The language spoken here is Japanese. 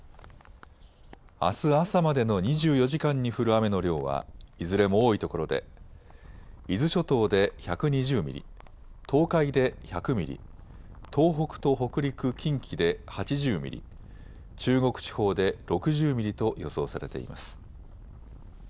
あす朝までの２４時間に降る雨の量はいずれも多いところで伊豆諸島で１２０ミリ、東海で１００ミリ、東北と北陸、近畿で８０ミリ、中国地方で６０ミリと予想されています。